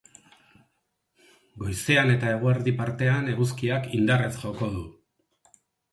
Goizean eta eguerdi partean eguzkiak indarrez joko du.